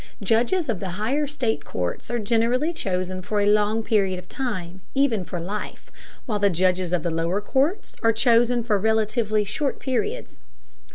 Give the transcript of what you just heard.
Judges of the higher state courts are generally chosen for a long period of time, even for life, while the judges of the lower courts are chosen for relatively short periods.